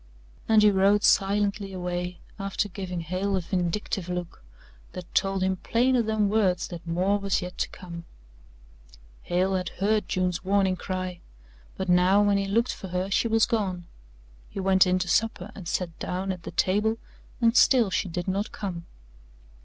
And he rode silently away, after giving Hale a vindictive look that told him plainer than words that more was yet to come. Hale had heard June's warning cry, but now when he looked for her she was gone. He went in to supper and sat down at the table and still she did not come.